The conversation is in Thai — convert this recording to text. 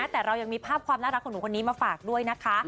แต่เรายังมีภาพความน่ารักของหนูคนนี้มาฝากด้วยนะคะ